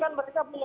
dan mereka juga